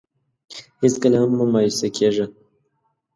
هېڅکله هم مه مایوسه کېږه.